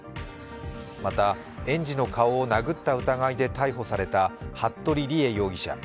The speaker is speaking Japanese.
また、園児の顔を殴った疑いで逮捕された服部理江容疑者。